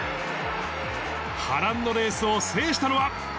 波乱のレースを制したのは。